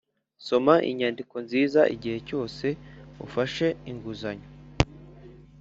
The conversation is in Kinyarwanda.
soma inyandiko nziza igihe cyose ufashe inguzanyo.